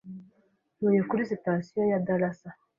Ntuye kuri sitasiyo ya Dallas